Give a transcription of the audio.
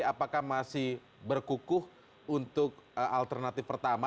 apakah masih berkukuh untuk alternatif pertama